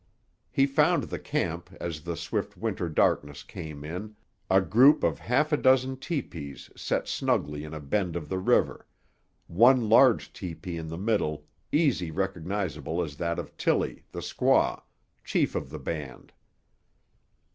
He found the camp as the swift Winter darkness came on, a group of half a dozen tepees set snugly in a bend of the river, one large tepee in the middle easily recognisable as that of Tillie, the squaw, chief of the band.